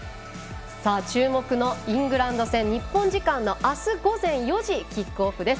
注目のイングランド戦日本時間、明日午前４時キックオフです。